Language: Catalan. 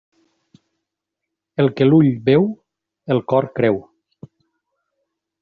El que l'ull veu, el cor creu.